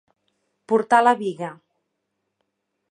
Portar la biga.